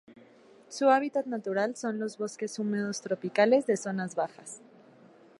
Su hábitat natural son los bosques húmedos tropicales de zonas bajas.